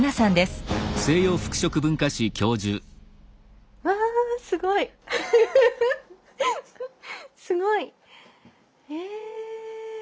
すごい。え！